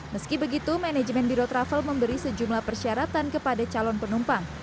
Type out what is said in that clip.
meski begitu manajemen biro travel memberi sejumlah persyaratan kepada calon penumpang